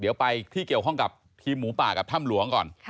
เดี๋ยวไปที่เกี่ยวข้องกับทีมหมูป่ากับถ้ำหลวงก่อน